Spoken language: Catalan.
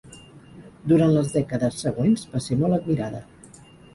Durant les dècades següents va ser molt admirada.